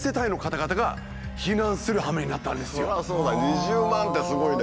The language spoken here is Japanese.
２０万ってすごいね。